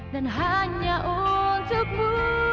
dan hanya untukmu